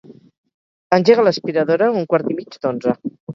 Engega l'aspiradora a un quart i mig d'onze.